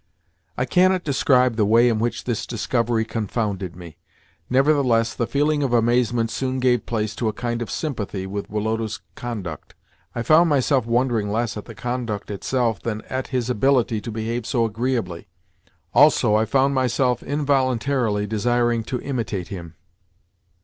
I cannot describe the way in which this discovery confounded me. Nevertheless the feeling of amazement soon gave place to a kind of sympathy with Woloda's conduct. I found myself wondering less at the conduct itself than at his ability to behave so agreeably. Also, I found myself involuntarily desiring to imitate him.